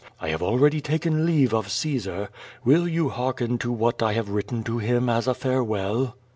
I have already taken leave of Caesar. Will you hearken to what I have written to him as a farewell?"